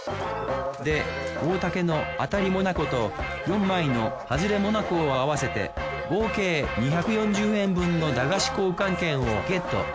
で大竹のあたりもなこと４枚のはずれもなこを合わせて合計２４０円分の駄菓子交換券をゲット。